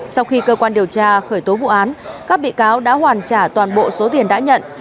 sau khi cơ quan điều tra khởi tố vụ án các bị cáo đã hoàn trả toàn bộ số tiền đã nhận